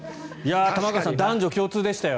玉川さん、男女共通でしたよ。